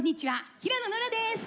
平野ノラです。